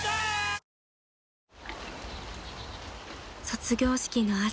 ［卒業式の朝］